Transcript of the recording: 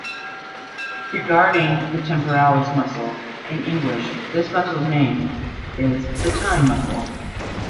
Regarding the temporalis muscle: in English, this muscle's name is the time muscle.